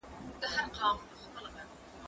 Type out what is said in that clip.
که وخت وي کالي وچوم